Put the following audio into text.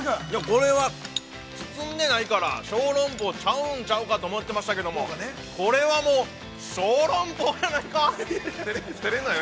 ◆これは包んでないから小籠包ちゃうんちゃうかと思ってましたけども、これはもう小籠包やないかい。